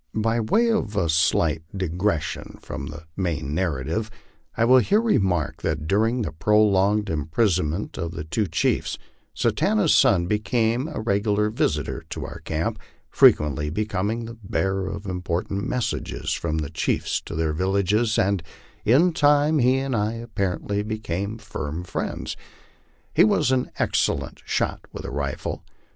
By way of a slight digression from the main narrative, I will here remark that during the prolonged imprisonment of the two chiefs, Satanta's son became a regular visitor to our camp, frequently becoming the bearer of important messages from the chiefs to their villages, and in time he and I, apparently, became firm friends. He was an excellent shot with the rifle.